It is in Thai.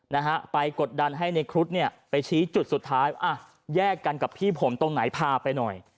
นะฮะไปกดดันให้ในครุฑเนี่ยไปชี้จุดสุดท้ายอ่ะแยกกันกับพี่ผมตรงไหนพาไปหน่อย